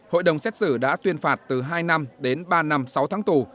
hội đồng xét xử đã tuyên phạt từ hai năm đến ba năm sáu tháng tù